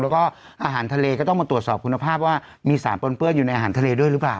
แล้วก็อาหารทะเลก็ต้องมาตรวจสอบคุณภาพว่ามีสารปนเปื้อนอยู่ในอาหารทะเลด้วยหรือเปล่า